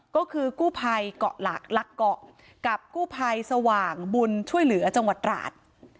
ก็คือกู้ภัยเกาะหลักลักเกาะกับกู้ภัยสว่างบุญช่วยเหลือจังหวัดตราด